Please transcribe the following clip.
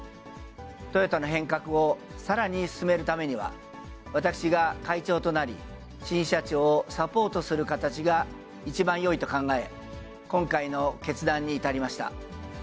トヨタの変革をさらに進めるためには、私が会長となり、新社長をサポートする形が一番よいと考え、今回の決断に至りました。